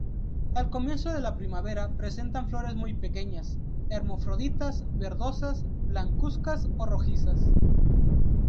Al comienzo de la primavera presenta flores muy pequeñas, hermafroditas, verdosas, blancuzcas o rojizas.